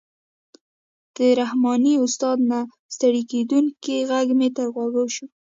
د رحماني استاد نه ستړی کېدونکی غږ مې تر غوږ شو.